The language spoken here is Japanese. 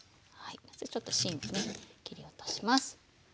ちょっと芯をね切り落とします。